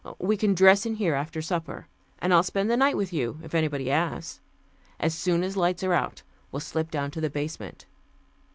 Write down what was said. We can dress in here after supper, and I'll spend the night with you, if anybody asks. As soon as lights are out, we'll slip down to the basement.